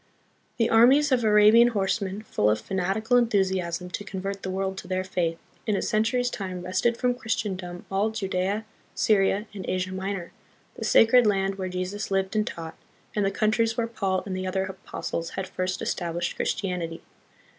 The armies of Arabian horsemen, full of fanatical enthusiasm to convert the world to their faith, in a century's time wrested from Christendom all Judea, Syria, and Asia Minor, the sacred land where Jesus lived and taught, and the countries where Paul and the other apostles had first established Christianity.